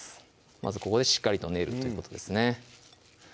まずここでしっかりと練るということですね